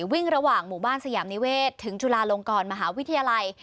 วิ่งระหว่างหมู่บ้านสยามนิเวศถึงจุฬาลงกรมหาวิทยาลัย